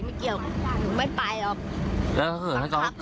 ไม่เกี่ยวหนูไม่ไปหรอก